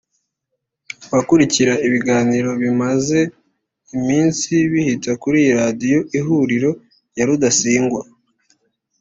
Abakurikira ibiganiro bimaze iminsi bihita kuri ya radio Ihuriro ya Rudasingwa